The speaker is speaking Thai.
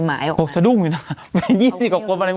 โหจะดุ้งดีนะคะ